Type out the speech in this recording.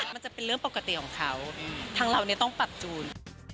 มันจะเป็นเรื่องปกติของเขาทางเราต้องปรับจูน